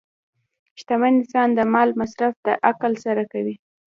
شتمن انسان د مال مصرف د عقل سره کوي.